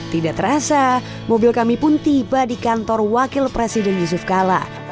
tidak terasa mobil kami pun tiba di kantor wakil presiden yusuf kala